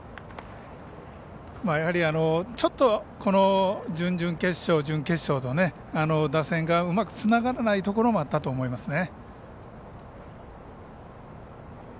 やはりちょっとこの準々決勝準決勝と打線がうまくつながらないところもあったと思いますね。